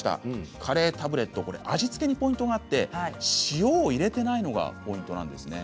カレータブレット味付けにポイントがあって塩を入れていないのがポイントなんですね。